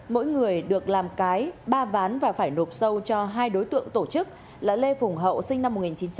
mỗi người được làm cái ba ván và phải nộp sâu cho hai đối tượng tổ chức là lê phùng hậu sinh năm một nghìn chín trăm tám mươi